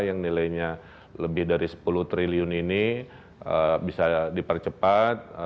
yang nilainya lebih dari sepuluh triliun ini bisa dipercepat